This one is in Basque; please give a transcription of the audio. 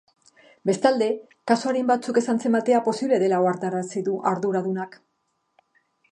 Bestalde, kasu arin batzuk ez antzematea posible dela ohartarazi du arduradunak.